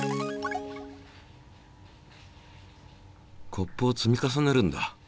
コップを積み重ねるんだ。